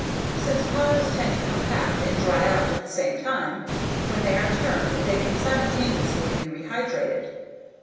Since piles tend to compact and dry out at the same time, when they are turned they can simultaneously be rehydrated.